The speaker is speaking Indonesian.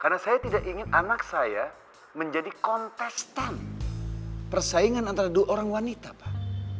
karena saya tidak ingin anak saya menjadi kontestan persaingan antara dua orang wanita pak